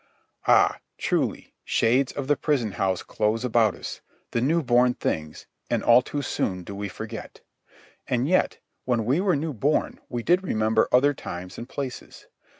Ah, truly, shades of the prison house close about us, the new born things, and all too soon do we forget. And yet, when we were new born we did remember other times and places.